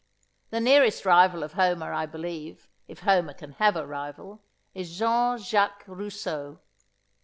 The nearest rival of Homer, I believe, if Homer can have a rival, is Jean Jacques Rousseau.